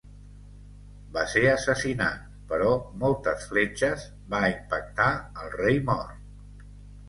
Va ser assassinat, però moltes fletxes va impactar el rei mort.